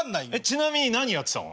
ちなみに何やってたの？